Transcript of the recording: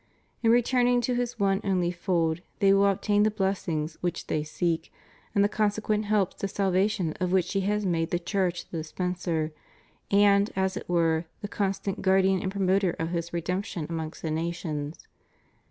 In returning to His one only fold, they will obtain the blessings which they seek, and the consequent helps to salvation of which He has made the Church the dispenser, and, as it were, the constant guardian and promoter of His Redemption amongst the nations.